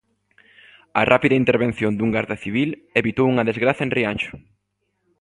A rápida intervención dun garda civil evitou unha desgraza en Rianxo.